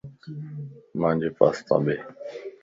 مانجي پاستان ٻي